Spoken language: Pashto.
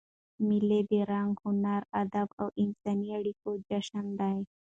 مېلې د رنګ، هنر، ادب او انساني اړیکو جشن دئ.